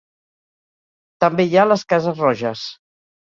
També hi ha les Cases Roges.